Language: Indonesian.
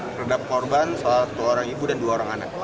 terhadap korban salah satu orang ibu dan dua orang anak